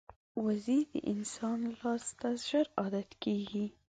وزې د انسان لاس ته ژر عادت کېږي